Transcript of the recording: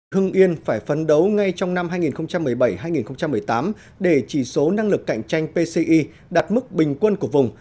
hưng yên phải phấn đấu ngay trong năm hai nghìn một mươi bảy hai nghìn một mươi tám để chỉ số năng lực cạnh tranh pci đạt mức bình quân của vùng